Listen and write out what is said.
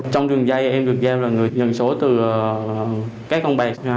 trong đường dây em được giao là người nhận số từ các công bạc